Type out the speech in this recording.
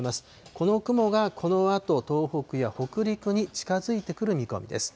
この雲がこのあと、東北や北陸に近づいてくる見込みです。